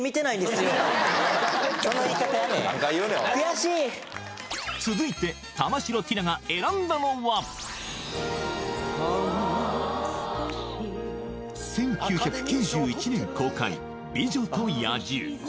その言い方やめえ続いて玉城ティナが選んだのは１９９１年公開「美女と野獣」